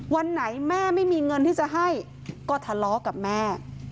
วันไหนแม่ไม่มีเงินที่จะให้ก็ทะเลาะกับแม่